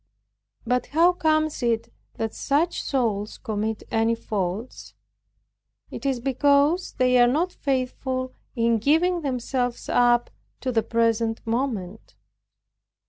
But how comes it that such souls commit any faults; because they are not faithful, in giving themselves up to the present moment.